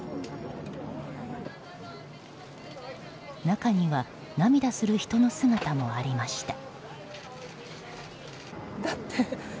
中には涙する人の姿もありました。